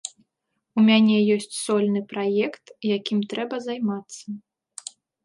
У мяне ёсць сольны праект, якім трэба займацца.